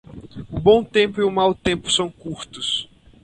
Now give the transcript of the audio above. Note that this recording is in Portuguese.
O bom tempo e o mau tempo são curtos.